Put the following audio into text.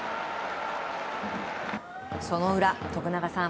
その裏、徳永さん